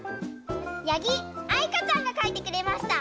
やぎあいかちゃんがかいてくれました。